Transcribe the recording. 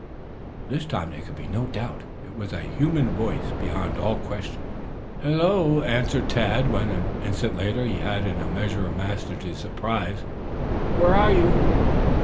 This time there could be no doubt. It was a human voice beyond all question. "Hello," answered Tad, when, an instant later, he had in a measure mastered his surprise. "Where are you?"